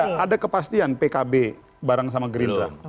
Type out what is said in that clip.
mungkin ada ada kepastian pkb bareng sama gerindra